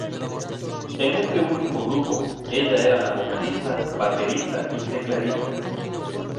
En este último grupo, ella era la vocalista, baterista y tecladista.